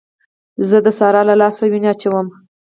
زه د سارا له لاسه وينې اچوم.